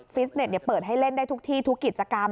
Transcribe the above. ฟิตเนสเปิดให้ได้เล่นทุกที่ทุกกิจกรรม